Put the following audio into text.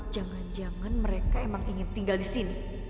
jangan jangan mereka emang ingin tinggal disini